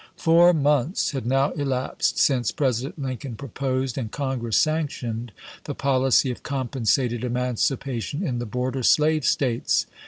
Four months had now elapsed since President Lincoln proposed and Congress sanctioned the policy of compensated emancipation in the border slave States.